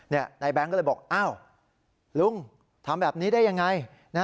นายแบงค์ก็เลยบอกอ้าวลุงทำแบบนี้ได้ยังไง